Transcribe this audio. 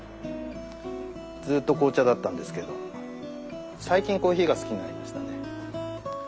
ずーっと紅茶だったんですけど最近コーヒーが好きになりましたね。